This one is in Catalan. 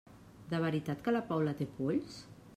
De veritat que la Paula té polls?